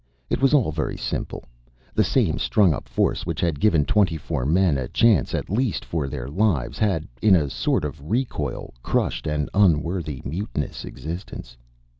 It was all very simple. The same strung up force which had given twenty four men a chance, at least, for their lives, had, in a sort of recoil, crushed an unworthy mutinous existence.